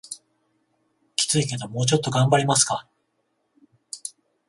キツいけどもうちょっと頑張りますか